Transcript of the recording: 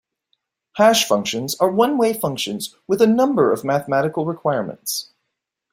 Hash functions are one-way functions with a number of mathematical requirements.